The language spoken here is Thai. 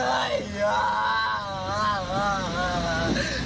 แม่มาช่วยดีกันแม่มาช่วยดีกัน